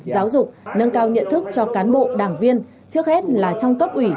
giáo dục nâng cao nhận thức cho cán bộ đảng viên trước hết là trong cấp ủy